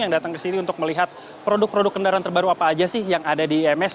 yang datang ke sini untuk melihat produk produk kendaraan terbaru apa aja sih yang ada di ims